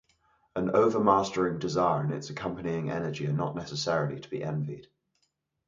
An overmastering desire and its accompanying energy are not necessarily to be envied.